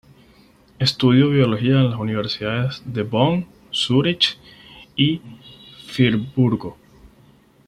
Estudió biología en las universidades de Bonn, Zúrich y Friburgo.